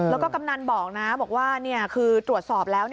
แล้วก็กำนันบอกนะบอกว่าคือตรวจสอบแล้ว